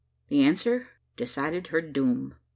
The answer decided her doom.